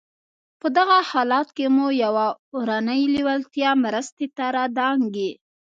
په دغه حالت کې مو يوه اورنۍ لېوالتیا مرستې ته را دانګي.